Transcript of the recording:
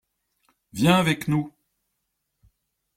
Viens avec nous.